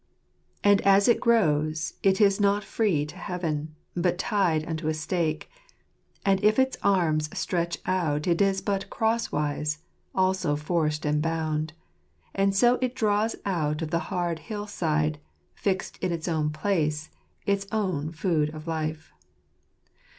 "And as it grows it is not free to heaven, But tied unto a stake ; and if its arms stretch out It is but cross wise, also forced and bound ; And so it draws out of the hard hill side, Fixed in its own place, its own food of life."